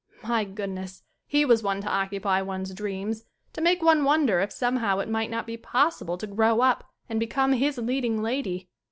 My goodness! he was one to occupy one's dreams; to make one wonder if somehow it might not be possible to grow up and become his leading lady.